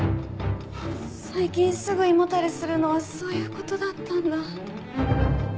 最近すぐ胃もたれするのはそういう事だったんだ。